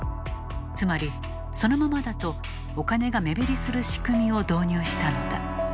つまりそのままだとお金が目減りする仕組みを導入したのだ。